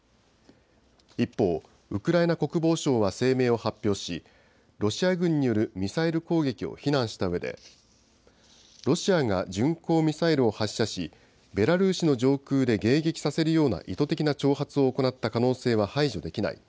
一方、ウクライナ国防省は声明を発表し、ロシア軍によるミサイル攻撃を非難したうえで、ロシアが巡航ミサイルを発射し、ベラルーシの上空で迎撃させるような意図的な挑発を行った可能性は排除できない。